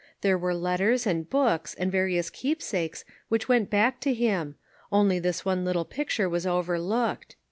There were letters, and books, and various keepsakes, which went back to him — only this one little picture was over looked.